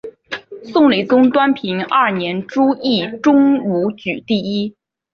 宋理宗端平二年朱熠中武举第一。